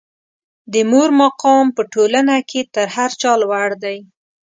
د مور مقام په ټولنه کې تر هر چا لوړ دی.